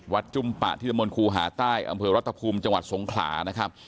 จุ้มปะที่ตะมนต์ครูหาใต้อำเภอรัฐภูมิจังหวัดสงขลานะครับ